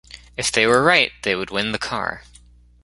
If they were right, they would win the car.